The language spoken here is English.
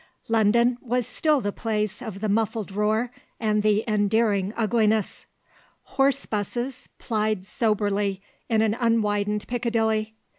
London was still the place of the muffled roar and the endearing ugliness. Horse 'buses plied soberly in an unwidened Piccadilly.